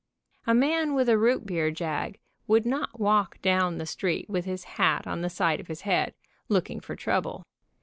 A man with a root beer jag \vould not walk down the street with his hat on the side of his head, looking for trouble.